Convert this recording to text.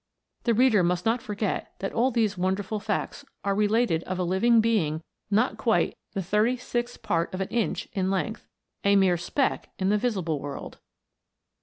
The reader must not forget that all these wonderful facts are related of a living being not quite the thirty sixth part of an inch in length a mere speck in the visible world